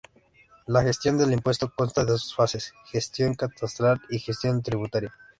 La gestión del impuesto consta de dos fases: gestión catastral y gestión tributaria.